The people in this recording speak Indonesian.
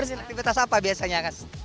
aktivitas apa biasanya